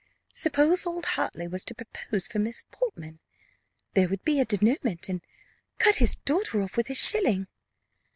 Suppose old Hartley was to propose for Miss Portman there would be a dénouement! and cut his daughter off with a shilling!